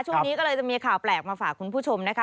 ช่วงนี้ก็เลยจะมีข่าวแปลกมาฝากคุณผู้ชมนะคะ